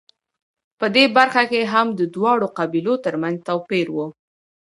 په دې برخه کې هم د دواړو قبیلو ترمنځ توپیر و